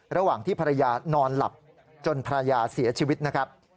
ระหว่างที่ภรรยานอนหลับจนภรรยาเสียชีวิตนะครับ